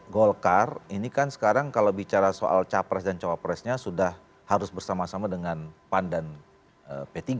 golkar ini kan sekarang kalau bicara soal capres dan cawapresnya sudah harus bersama sama dengan pan dan p tiga